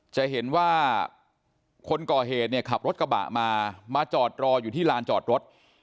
จะเห็นว่าคนก่อเหตุเนี่ยขับรถกระบะมามาจอดรออยู่ที่ลานจอดรถ